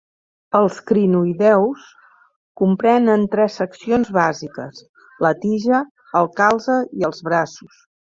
Els crinoïdeus comprenen tres seccions bàsiques: la tija, el calze, i els braços.